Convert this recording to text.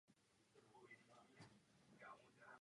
Musíme je přivést do čela a věnovat jim zvláštní úsilí.